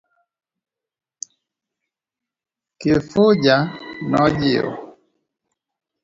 Kifuja nojiwo.